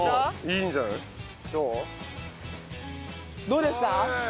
どうですか？